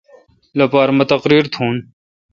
لوپارہ مہ تقریر تھون۔